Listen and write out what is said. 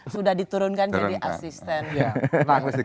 sudah diturunkan jadi asisten